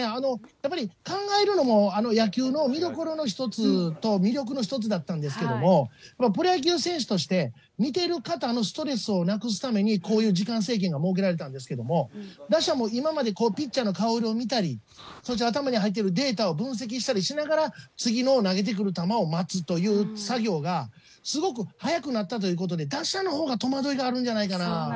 やっぱり、考えるのも野球の見どころの一つと、魅力の一つだったんですけれども、プロ野球選手として見てる方のストレスをなくすために、こういう時間制限が設けられたんですけれども、打者も今までピッチャーの顔色を見たり、そして頭に入ってるデータを分析したりしながら、次の、投げてくる球を待つという作業がすごく早くなったということで、打者のほうが戸惑いがあるんじゃないかな。